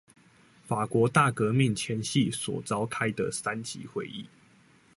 法國大革命前夕所召開的三級會議